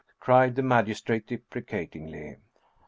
cried the magistrate deprecatingly.